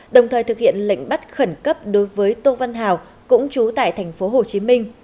đồng thời thực hiện lệnh bắt khẩn cấp đối với tô văn hào cũng trú tại tp hcm